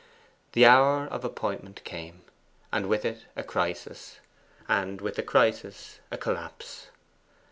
The hour of appointment came, and with it a crisis; and with the crisis a collapse.